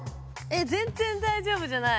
全然大丈夫じゃない。